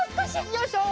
よいしょ！